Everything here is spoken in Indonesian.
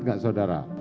ingat gak saudara